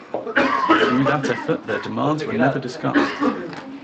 Through that effort their demands were never discussed.